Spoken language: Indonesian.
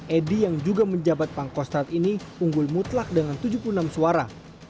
edi yang juga menjabat pangkostrat ini unggul mutlak dengan tujuh puluh enam suara